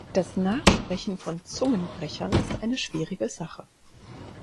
Das Nachsprechen von Zungenbrechern ist eine schwierige Sache.